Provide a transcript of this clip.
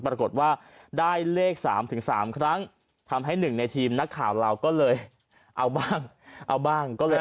ปรากฏว่าได้เลข๓๓ครั้งทำให้๑ในทีมนักขาวเราก็เลยเอาบ้าง